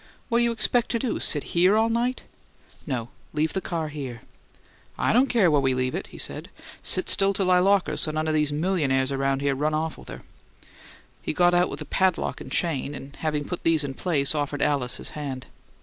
"What you expect to do? Sit HERE all night?" "No, leave the car here." "I don't care where we leave it," he said. "Sit still till I lock her, so none o' these millionaires around here'll run off with her." He got out with a padlock and chain; and, having put these in place, offered Alice his hand.